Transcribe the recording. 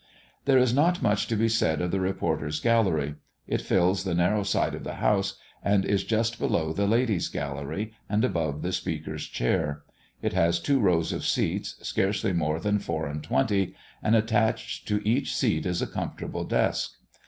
There is not much to be said of the reporters' gallery. It fills the narrow side of the house, and is just below the ladies' gallery and above the Speaker's chair. It has two rows of seats, scarcely more than four and twenty, and attached to each seat is a comfortable desk.